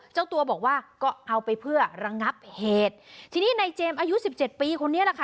เจ้าตัวบอกว่าก็เอาไปเพื่อระงับเหตุทีนี้ในเจมส์อายุสิบเจ็ดปีคนนี้แหละค่ะ